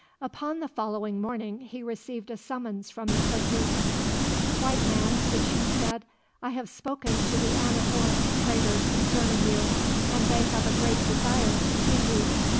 Upon the following morning he received a summons from the cazique. "White man," the chief said, "I have spoken to the Anahuac traders concerning you, and they have a great desire to see you.